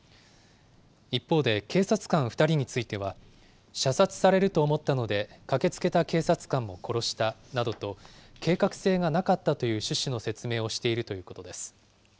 一方で、警察官２人については、射殺されると思ったので、駆けつけた警察官も殺したなどと、計画性がなかったという趣旨の説明をしているということです。